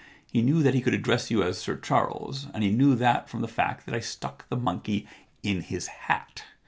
He knew that he could address you as Sir Charles, and he knew that from the fact that I stuck the monkey in his hat.